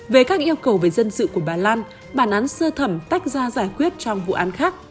về các yêu cầu về dân sự của bà lan bản án sơ thẩm tách ra giải quyết trong vụ án khác